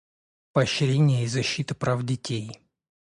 Поощрение и защита прав детей.